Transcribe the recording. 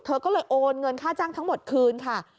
เธอก็เลยโอนเงินค่าจ้างทั้งหมดคืนค่ะ